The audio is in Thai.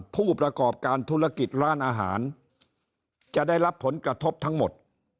ผู้ประกอบการธุรกิจร้านอาหารจะได้รับผลกระทบทั้งหมด